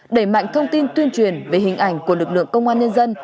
đẩy mạnh thông tin tuyên truyền về hình ảnh của lực lượng công an nhân dân